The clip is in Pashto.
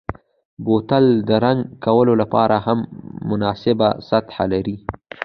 بوتل د رنګ کولو لپاره هم مناسبه سطحه لري.